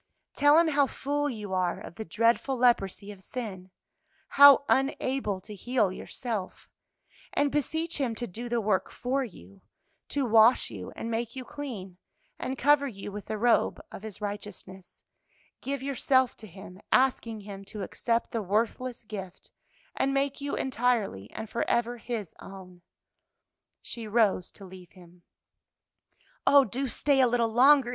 Tell Him how full you are of the dreadful leprosy of sin, how unable to heal yourself, and beseech Him to do the work for you, to wash you and make you clean and cover you with the robe of His righteousness; give yourself to Him, asking Him to accept the worthless gift and make you entirely and forever His own." She rose to leave him. "Oh, do stay a little longer!"